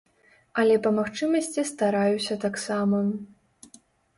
Але па магчымасці стараюся таксама.